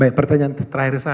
baik pertanyaan terakhir saya